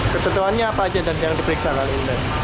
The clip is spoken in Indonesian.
ketentuannya apa aja yang diperiksa kali ini